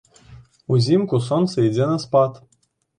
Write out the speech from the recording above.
Узімку сонца ідзе на спад.